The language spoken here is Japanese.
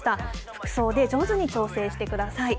服装で上手に調整してください。